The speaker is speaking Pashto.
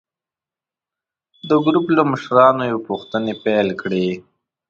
د ګروپ له مشرانو یې پوښتنې پیل کړې.